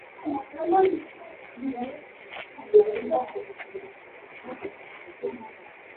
huku wakiendelea kuelimishana taratibu na kuachana nazo